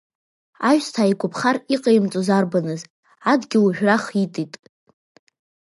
Аҩсҭаа игәаԥхар иҟаимҵоз арбаныз, адгьыл ужәра хитит.